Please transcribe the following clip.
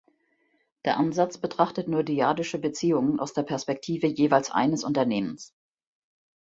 Der Ansatz betrachtet nur dyadische Beziehungen aus der Perspektive jeweils eines Unternehmens.